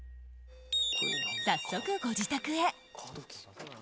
早速、ご自宅へ。